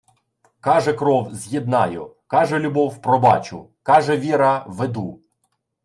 Каже кров: з'єднаю! Каже любов: пробачу! Каже віра: веду!